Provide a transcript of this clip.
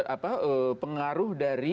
apa pengaruh dari